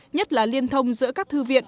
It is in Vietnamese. nhất là liên thông giữa các thư viện